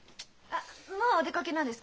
あっもうお出かけなんですか？